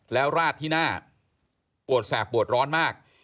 แล้วราดที่หน้าปวดแสบปวดร้อนมาก